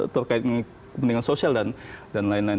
terkait kepentingan sosial dan lain lain